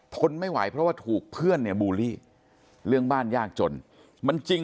ทนไม่ไหวเพราะว่าถูกเพื่อนเนี่ยบูลลี่เรื่องบ้านยากจนมันจริง